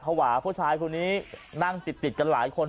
พวกชายคนนี้นั่งติดกันหลายคน